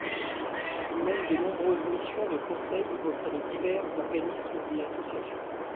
Il mène de nombreuses missions de conseil auprès de divers organismes et associations.